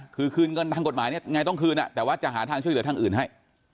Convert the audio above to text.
คือคืนเงินทางกฎหมายเนี่ยไงต้องคืนแต่ว่าจะหาทางช่วยเหลือทางอื่นให้